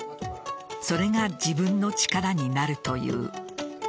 それが自分の力になるという。